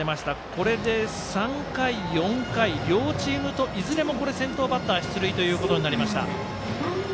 これで３回、４回、両チームといずれも先頭バッター出塁ということになりました。